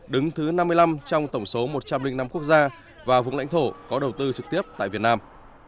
đứng thứ năm mươi năm trong tổng số một trăm linh năm quốc gia và vùng lãnh thổ có đầu tư trực tiếp tại việt nam